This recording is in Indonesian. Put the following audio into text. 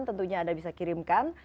tentunya anda bisa kirimkan